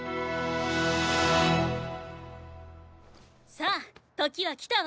さあ時は来たわ。